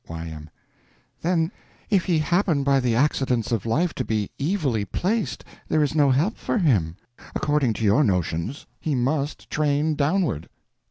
Y.M. Then if he happen by the accidents of life to be evilly placed there is no help for him, according to your notions—he must train downward.